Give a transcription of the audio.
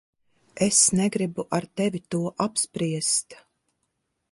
Es negribu ar tevi to apspriest.